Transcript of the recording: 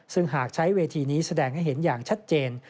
ซึ่งหากใช้เวทีนี้แสดงให้เห็นอย่างชัดเจน